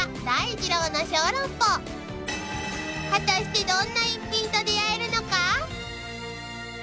［果たしてどんな逸品と出合えるのか？］